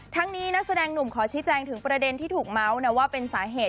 ทั้งนี้นักแสดงหนุ่มขอชี้แจงถึงประเด็นที่ถูกเมาส์นะว่าเป็นสาเหตุ